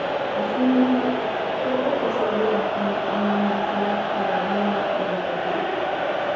Asimismo, fue profesor de latín en la Universidad Javeriana de Bogotá.